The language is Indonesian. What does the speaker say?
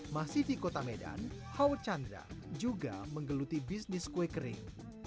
masih di kota medan hour chandra juga menggeluti bisnis kue kering